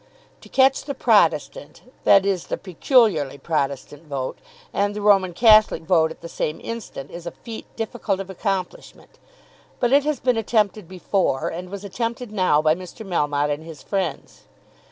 To catch the Protestant, that is the peculiarly Protestant, vote and the Roman Catholic vote at the same instant is a feat difficult of accomplishment; but it has been attempted before, and was attempted now by Mr. Melmotte and his friends.